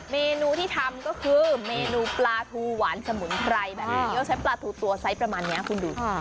เมนูที่ทำก็คือเมนูปลาทูหวานสมุนไพรแบบนี้ต้องใช้ปลาทูตัวไซส์ประมาณนี้คุณดู